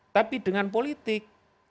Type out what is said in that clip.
tapi dengan politik